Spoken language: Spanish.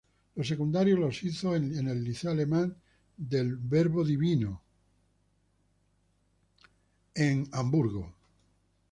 Los secundarios los hizo en Liceo Alemán del Verbo Divino de Los Ángeles.